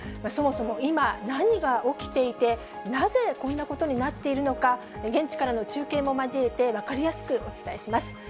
そもそも今、何が起きていて、なぜこんなことになっているのか、現地からの中継も交えて、分かりやすくお伝えします。